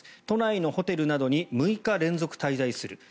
都内のホテルなどに６日連続滞在する。